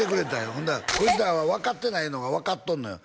ほんならこいつらは分かってないのが分かっとんのよ